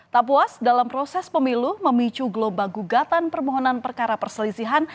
tak puas dalam proses pemilu memicu gelombang gugatan permohonan perkara perselisihan